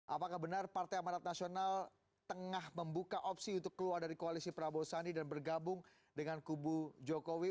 apakah benar partai amarat nasional tengah membuka opsi untuk keluar dari koalisi prabowo sandi dan bergabung dengan kubu jokowi